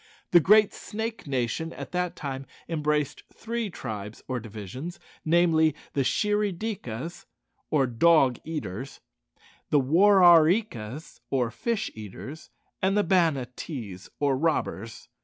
The Great Snake nation at that time embraced three tribes or divisions namely, the Shirry dikas, or dog eaters; the War are ree kas, or fish eaters; and the Banattees, or robbers.